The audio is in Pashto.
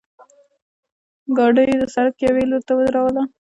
ګاډۍ یې د سړک یوې لورته ودروله.